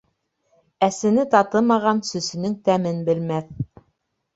Әсене татымаған сөсөнөң тәмен белмәҫ.